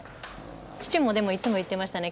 父もいつも言っていましたね